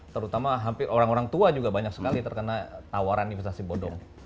terutama hampir orang orang tua juga banyak sekali terkena tawaran investasi bodong